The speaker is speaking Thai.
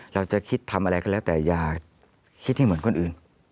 เราจะคิดทำอะไรก็แล้วแต่อย่าคิดให้เหมือนคนอื่น